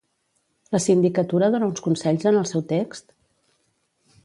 La Sindicatura dona uns consells en el seu text?